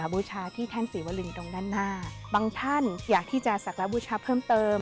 บูชาที่แท่นศรีวรีตรงด้านหน้าบางท่านอยากที่จะสักบูชาเพิ่มเติม